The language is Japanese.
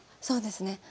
そうですね